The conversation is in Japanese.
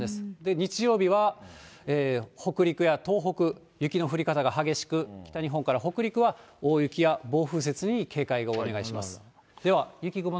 日曜日は、北陸や東北、雪の降り方が激しく、北日本から北陸は、大雪や暴風雪に警戒をお願いします。